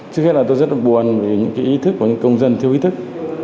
trước hết là tôi rất buồn với những ý thức của những công dân thiếu ý thức